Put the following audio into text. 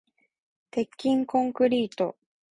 鉄筋コンクリート